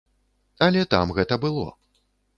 Але там гэта было.